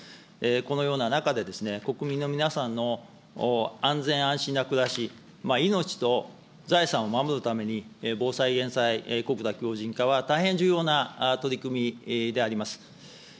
このような中でですね、国民の皆さんの安全・安心な暮らし、命と財産を守るために防災・減災、国土強じん化は大変重要な取り組みであります。